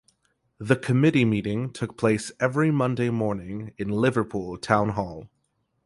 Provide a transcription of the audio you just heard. The Committee meeting took place every Monday morning in Liverpool Town Hall.